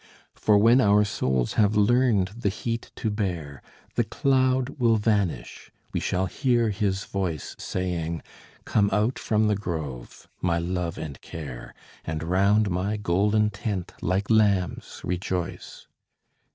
"For when our souls have learned the heat to bear, The cloud will vanish, we shall hear his voice, Saying, 'Come out from the grove, my love and care, And round my golden tent like lambs rejoice.'"